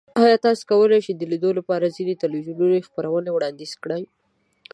ایا تاسو کولی شئ د لیدو لپاره ځینې تلویزیوني خپرونې وړاندیز کړئ؟